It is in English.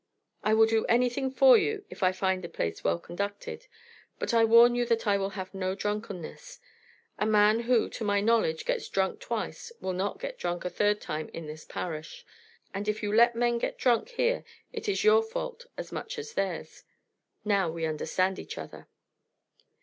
I will do anything for you if I find the place well conducted; but I warn you that I will have no drunkenness. A man who, to my knowledge, gets drunk twice, will not get drunk a third time in this parish, and if you let men get drunk here it is your fault as much as theirs. Now we understand each other."